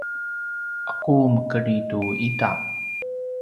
’aku mekedri tu ita?